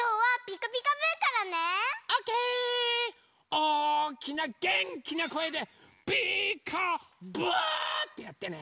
おおきなげんきなこえで「ピーカーブ」ってやってね。